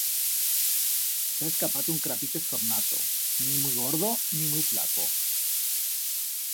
S'ha escapato un crapito escornato, ni muit gordo, ni muit flaco.